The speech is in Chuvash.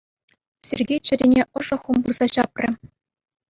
Сергей чӗрине ӑшӑ хум пырса ҫапрӗ.